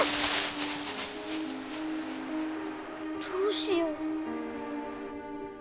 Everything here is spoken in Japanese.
どうしよう。